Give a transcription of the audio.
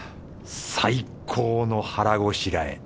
最高の腹ごしらえ。